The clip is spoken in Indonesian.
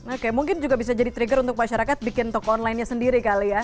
oke mungkin juga bisa jadi trigger untuk masyarakat bikin toko onlinenya sendiri kali ya